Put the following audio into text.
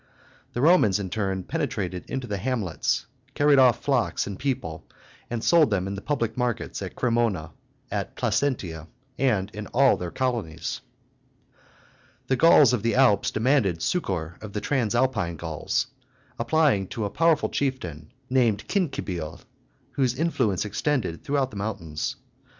The Romans, in turn, penetrated into the hamlets, carried off flocks and people, and sold them in the public markets at Cremona, at Placentia, and in all their colonies. The Gauls of the Alps demanded succor of the Transalpine Gauls, applying to a powerful chieftain, named Cincibil, whose influence extended throughout the mountains.